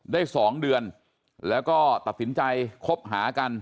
ได้๒เดือนแล้วก็ตัดสินใจคบหากัน